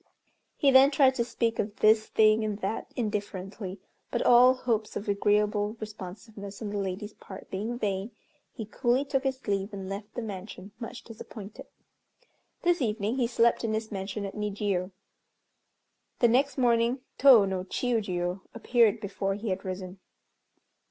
He then tried to speak of this thing and that indifferently, but all hopes of agreeable responsiveness on the lady's part being vain, he coolly took his leave, and left the mansion, much disappointed. This evening he slept in his mansion at Nijiô. The next morning Tô no Chiûjiô appeared before he had risen.